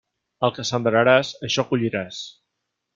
El que sembraràs, això colliràs.